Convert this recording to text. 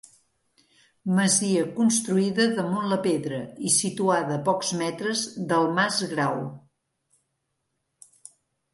Masia construïda damunt la pedra i situada a pocs metres del mas Grau.